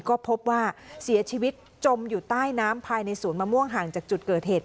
ก็พบว่าเสียชีวิตจมอยู่ใต้น้ำภายในศูนย์มะม่วงห่างจากจุดเกิดเหตุ